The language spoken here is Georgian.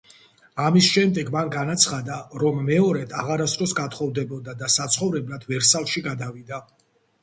ამის შემდეგ, მან განაცხადა, რომ მეორედ აღარასდროს გათხოვდებოდა და საცხოვრებლად ვერსალში გადავიდა.